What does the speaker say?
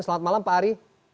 selamat malam pak ari